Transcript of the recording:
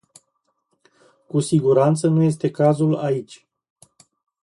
Cu siguranță, nu este cazul aici.